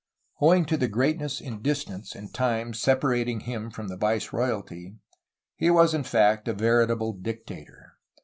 Owing to the greatness in distance and time sepa rating him from the viceroyalty he was in fact a veritable dictator.